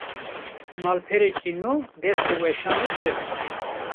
Malpereke nû, dest bi weşanê kir